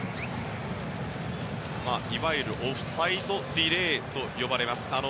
いわゆるオフサイドディレイと呼ばれます。